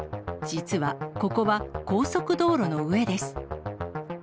実はここは高速道路の上です。